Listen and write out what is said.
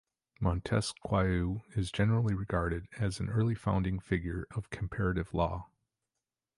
Montesquieu is generally regarded as an early founding figure of comparative law.